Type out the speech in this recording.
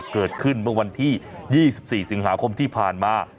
เกิดขึ้นเมื่อวันที่๒๔สิงหาคมที่ผ่านมา